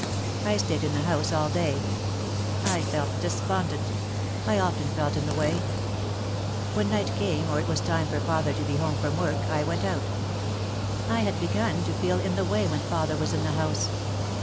I stayed in the house all day. I felt despondent. I often felt in the way. When night came or it was time for father to be home from work, I went out. I had begun to feel in the way when father was in the house.